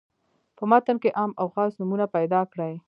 په متن کې عام او خاص نومونه پیداکړي.